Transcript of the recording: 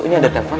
ini ada telepon